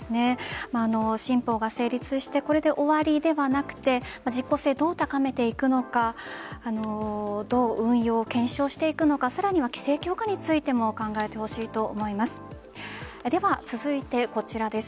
新法が成立してこれで終わりではなくて実効性をどう高めていくのかどう運用・検証していくのかさらには規制強化についても考えてほしいと思います。